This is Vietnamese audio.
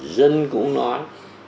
dân cũng nói